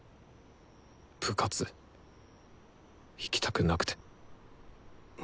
部活行きたくなくて。